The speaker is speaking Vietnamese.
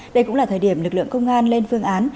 đây cũng là thời điểm lực lượng công an lên phương án